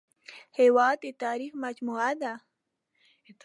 هېواد د تاریخ مجموعه ده